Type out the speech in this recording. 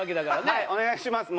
はいお願いします